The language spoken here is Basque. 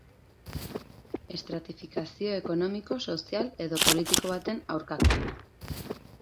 Estratifikazio ekonomiko, sozial edo politiko baten aurkakoa da.